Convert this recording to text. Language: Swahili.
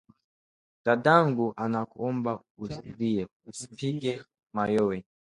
"Dadangu nakuomba usilie, usipige mayowe